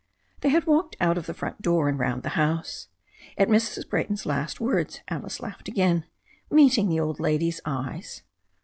They had walked out of the front door and round the house. At Mrs. Brayton's last words Alice laughed again, meeting the old lady's eyes.